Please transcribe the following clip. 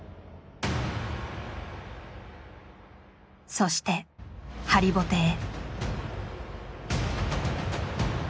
そしてハリボテへ。